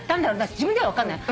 自分では分かんない。